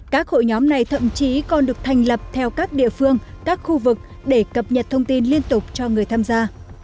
các hội nhóm này thậm chí còn được thành lập theo các địa phương các khu vực để cập nhật thông tin liên tục cho người tham gia